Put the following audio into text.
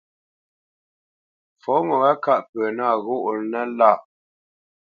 Fɔ ŋo wâ ŋkâʼ pə nâ ghóʼnənə́ lâʼ.